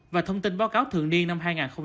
và thông tin báo cáo thường niên năm hai nghìn hai mươi